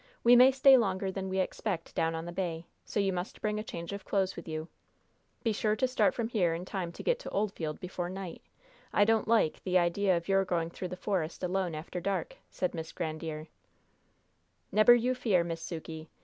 We may stay longer than we expect Down on the Bay, so you must bring a change of clothes with you. Be sure to start from here in time to get to Oldfield before night. I don't like, the idea of your going through the forest alone after dark," said Miss Grandiere. "Nebber you fear, Miss Sukey.